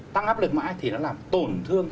tăng áp lực mãi thì nó làm tổn thương